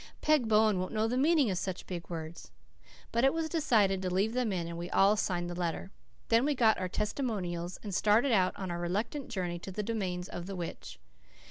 "Peg Bowen won't know the meaning of such big words." But it was decided to leave them in and we all signed the letter. Then we got our "testimonials," and started on our reluctant journey to the domains of the witch.